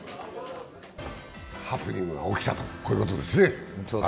ハプニングが起きたということですね。